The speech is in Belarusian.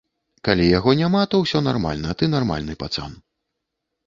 Калі яго няма, то ўсё нармальна, ты нармальны пацан.